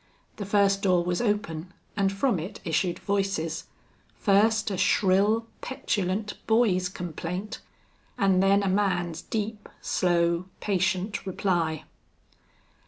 The first door was open, and from it issued voices; first a shrill, petulant boy's complaint, and then a man's deep, slow, patient reply.